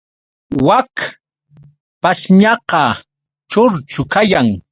Wak pashñaqa churchu kayan.